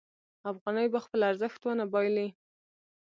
افغانۍ به خپل ارزښت ونه بایلي.